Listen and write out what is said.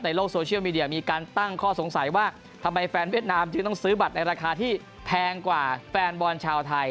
ในโลกโซเชียลมีเดียมีการตั้งข้อสงสัยว่าทำไมแฟนเวียดนามจึงต้องซื้อบัตรในราคาที่แพงกว่าแฟนบอลชาวไทย